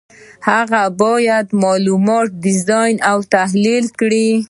هغه باید معلومات ډیزاین او تحلیل کړي.